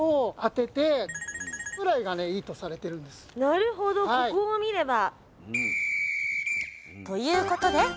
なるほどここを見れば。